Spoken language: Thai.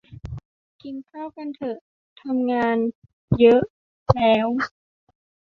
กินข้าวกันเถอะ ทำงาน ? เยอะ ? แล้ว ?